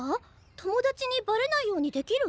友達にバレないようにできる？